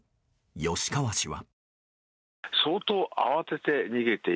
吉川氏は。